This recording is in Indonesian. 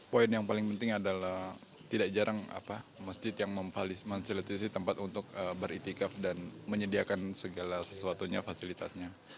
poin yang paling penting adalah tidak jarang masjid yang memfasilitasi tempat untuk beritikaf dan menyediakan segala sesuatunya fasilitasnya